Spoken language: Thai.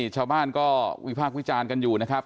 ชาวบ้านก็วิพากษ์วิจารณ์กันอยู่นะครับ